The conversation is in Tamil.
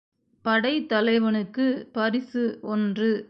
படைத்தலைவனுக்குப் பரிசு ஒன்று.